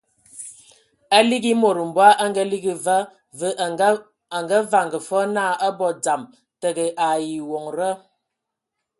A ligi e mod mbɔg a ngaligi va, və a vaŋa fɔɔ naa a abɔ dzam, təgə ai ewonda.